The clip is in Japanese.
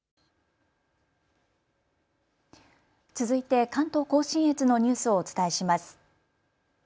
続いて関東甲信越のニュースをお伝えします。